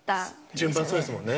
順番、そうですもんね。